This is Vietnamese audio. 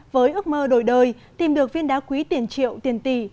với ước mơ đổi đời tìm được viên đá quý tiền triệu tiền tỷ